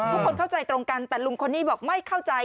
เข้าใจตรงกันแต่ลุงคนนี้บอกไม่เข้าใจ